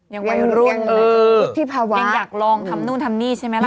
ยังไปรุ่นยังอยู่ที่ภาวะยังอยากลองทำนู่นทำนี่ใช่ไหมล่ะ